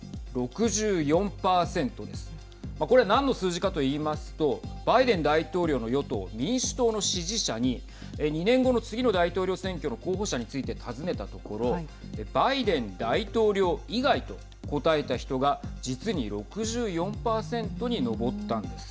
これ、何の数字かといいますとバイデン大統領の与党・民主党の支持者に２年後の次の大統領総選挙の候補者について尋ねたところバイデン大統領以外と答えた人が実に６４％に上ったんです。